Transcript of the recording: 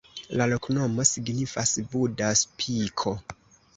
La loknomo signifas: Buda-spiko.